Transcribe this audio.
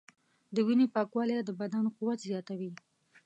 د وینې پاکوالی د بدن قوت زیاتوي.